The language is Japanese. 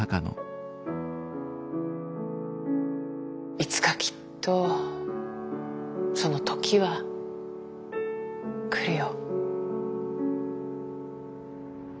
いつかきっとその「時」は来るよ。